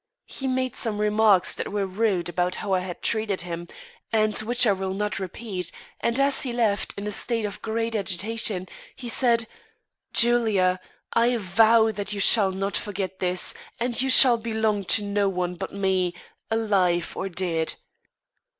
He made some remarks that were rude about how I had treated him, and which I will not repeat, and as he left, in a state of great agitation, he said, 'Julia, I vow that you shall not forget this, and you shall belong to no one but me, alive or dead.'